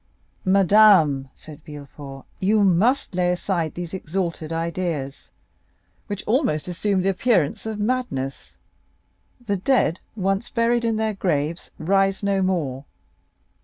"Madame," said Villefort, "you must lay aside these exalted ideas, which almost assume the appearance of madness. The dead, once buried in their graves, rise no more."